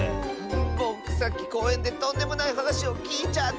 ぼくさっきこうえんでとんでもないはなしをきいちゃったッス。